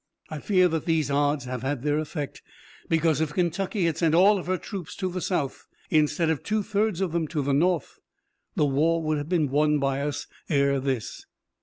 I fear that these odds have had their effect, because if Kentucky had sent all of her troops to the South, instead of two thirds of them to the North, the war would have been won by us ere this."